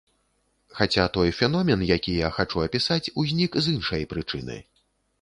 Хаця той феномен, які я хачу апісаць, узнік з іншай прычыны.